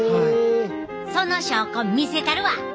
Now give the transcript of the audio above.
その証拠見せたるわ！